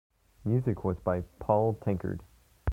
Music was by Paul Tankard.